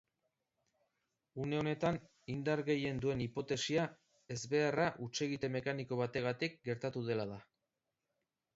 Une honetan indar gehien duen hipotesia ezbeharra hutsegite mekaniko bategatik gertatu dela da.